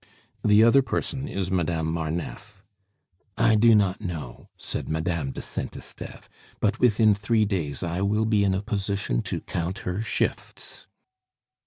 "The other person is Madame Marneffe." "I do not know," said Madame de Saint Esteve. "But within three days I will be in a position to count her shifts."